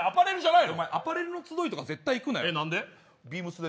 アパレルの集いとか絶対行くなよ。